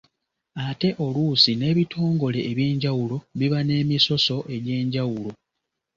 Ate oluusi n'ebitongole eby'enjawulo biba n'emisoso egy'enjawulo.